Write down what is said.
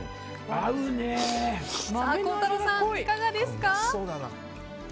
孝太郎さん、いかがですか？